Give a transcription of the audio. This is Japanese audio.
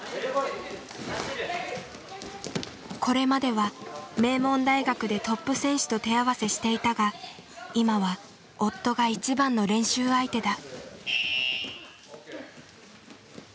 これまでは名門大学でトップ選手と手合わせしていたが今は夫が一番の練習相手だ。